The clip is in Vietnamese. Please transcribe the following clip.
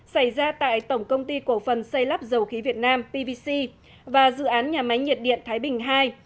xảy ra tại tổng công ty cổ phần xây lắp dầu khí việt nam pvc và dự án nhà máy nhiệt điện thái bình ii